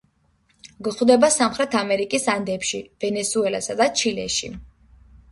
გვხვდება სამხრეთ ამერიკის ანდებში, ვენესუელასა და ჩილეში.